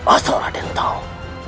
asal radin tahu